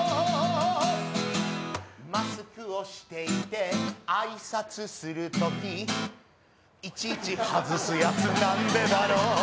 「マスクをしていて挨拶するとき」「いちいち外すやつなんでだろう」